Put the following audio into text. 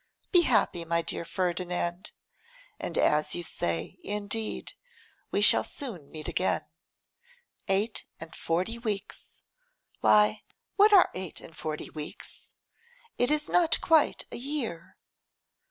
Be happy, my dear Ferdinand, and as you say indeed, we shall soon meet again. Eight and forty weeks! Why what are eight and forty weeks? It is not quite a year.